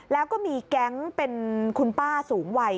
แล้วก็มีแก๊งเป็นคุณป้าสูงวัย